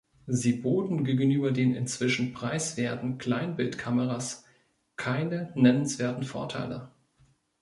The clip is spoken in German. Sie boten gegenüber den inzwischen preiswerten Kleinbildkameras keine nennenswerten Vorteile.